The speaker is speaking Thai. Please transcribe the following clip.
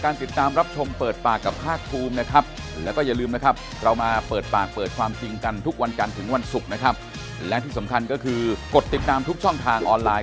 อันนี้ครับสวัสดีครับสวัสดีครับท่านผู้ชมด้วย